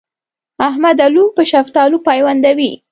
احمد الو په شفتالو پيوندوي.